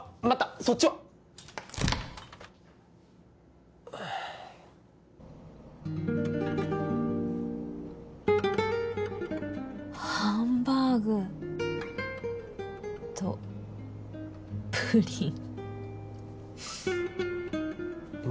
そっちはハンバーグとプリンま